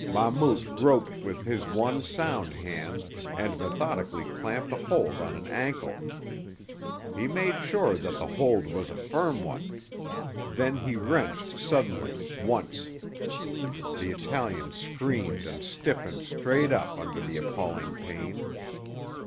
Mahmout groped with his one sound hand and methodically clamped a hold on an ankle. He made sure that the hold was a firm one; then he wrenched suddenly—once. The Italian screamed and stiffened straight up under the appalling pain.